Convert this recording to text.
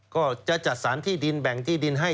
ก็จะจัดสรรที่ดินแบ่งที่ดินให้